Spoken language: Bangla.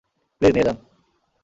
প্লিজ নিয়ে যান।